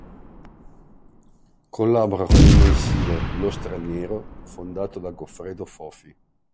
Collabora con il mensile, Lo Straniero, fondato da Goffredo Fofi.